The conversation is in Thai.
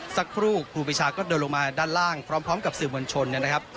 ครูปีชาก็เดินลงมาด้านล่างพร้อมกับสื่อมวลชนนะครับ